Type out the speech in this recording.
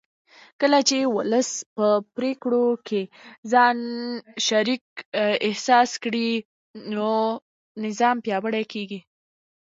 کله چې ولس په پرېکړو کې ځان شریک احساس کړي نو نظام پیاوړی کېږي